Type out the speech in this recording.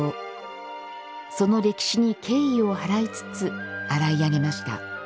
その歴史に敬意を払いつつ洗い上げました